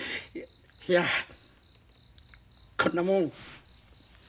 いやこんなもん。